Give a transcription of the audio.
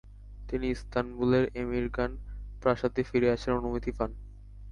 তিনি ইস্তানবুলের এমিরগান প্রাসাদে ফিরে আসার অনুমতি পান।